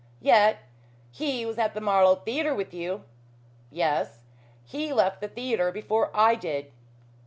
"Yet he was at the Marlow Theatre with you." "Yes. He left the theatre before I did."